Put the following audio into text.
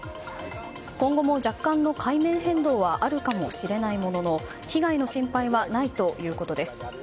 今後も若干の海面変動はあるかもしれないものの被害の心配はないということです。